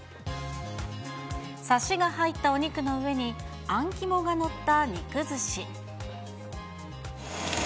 サシが入ったお肉の上に、あん肝が載った肉ずし。